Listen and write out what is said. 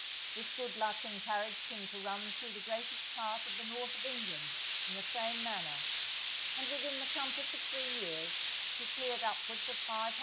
This good luck encouraged him to run through the greatest part of the North of England in the same manner, and within the compass of three years he cleared upwards of £500.